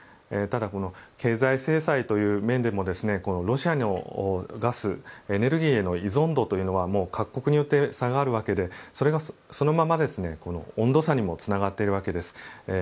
ただ、経済制裁という面でもロシアのガスエネルギーへの依存度というのは各国によって差があるわけでそれがそのまま温度差にもつながっているわけです。